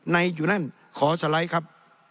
อยู่นั่นขอสไลด์ครับ